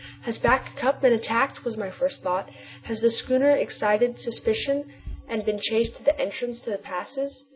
"Has Back Cup been attacked?" was my first thought. "Has the schooner excited suspicion, and been chased to the entrance to the passes?